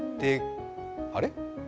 あれ？